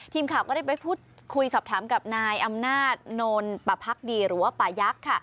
ทีมข่าวก็ได้ไปพูดคุยสอบถามกับนายอำนาจโนนปะพักดีหรือว่าป่ายักษ์ค่ะ